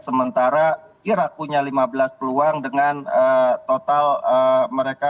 sementara kira punya lima belas peluang dengan total mereka